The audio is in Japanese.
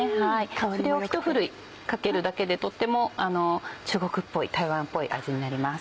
それをひとふるいかけるだけでとっても中国っぽい台湾っぽい味になります。